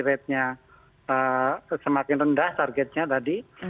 ratenya semakin rendah targetnya tadi